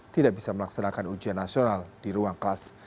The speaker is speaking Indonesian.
tidak bisa melaksanakan ujian nasional di ruang kelas